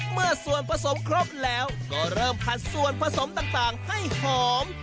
เมื่อส่วนผสมครบแล้วก็เริ่มผัดส่วนผสมต่างให้หอม